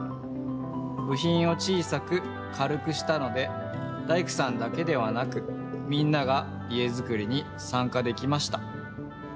ぶひんを小さくかるくしたので大工さんだけではなくみんなが家づくりにさんかできました。